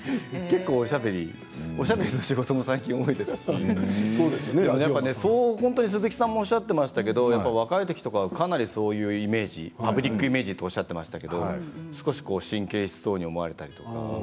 おしゃべりの仕事も最近多いですし本当に鈴木さんもおっしゃっていましたけど若いときとかかなりそういうイメージパブリックイメージとおっしゃっていましたけど少し神経質そうに思われたり。